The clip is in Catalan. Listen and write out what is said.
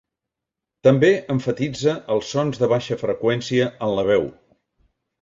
També emfatitza els sons de baixa freqüència en la veu.